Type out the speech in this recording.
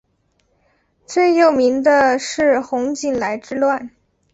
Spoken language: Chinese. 最有名是洪景来之乱。